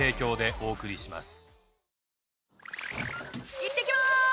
いってきます！